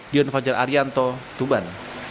dion fajar arianto tuban